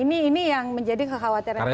nah ini yang menjadi kekhawatiran kami